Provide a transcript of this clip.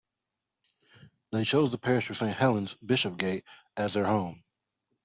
They chose the parish of Saint Helen's Bishopsgate as their home.